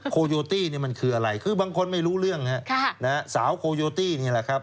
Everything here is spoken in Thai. โคโยตี้เนี่ยมันคืออะไรคือบางคนไม่รู้เรื่องฮะสาวโคโยตี้นี่แหละครับ